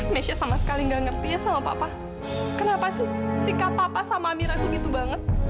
mesha sama sekali gak ngerti ya sama papa kenapa sih sikap papa sama amira itu gitu banget